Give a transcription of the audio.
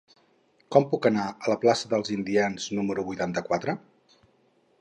Com puc anar a la plaça dels Indians número vuitanta-quatre?